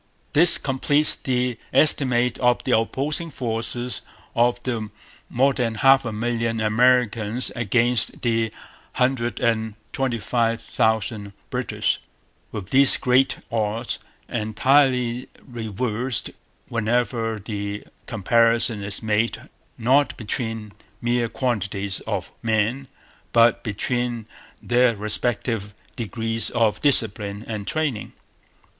This completes the estimate of the opposing forces of the more than half a million Americans against the hundred and twenty five thousand British; with these great odds entirely reversed whenever the comparison is made not between mere quantities of men but between their respective degrees of discipline and training.